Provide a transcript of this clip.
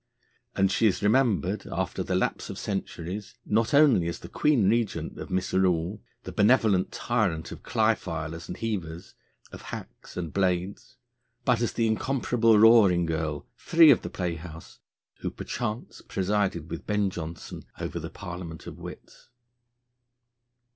And she is remembered, after the lapse of centuries, not only as the Queen Regent of Misrule, the benevolent tyrant of cly filers and heavers, of hacks and blades, but as the incomparable Roaring Girl, free of the playhouse, who perchance presided with Ben Jonson over the Parliament of Wits.